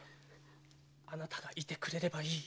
あなたがいてくれればいい。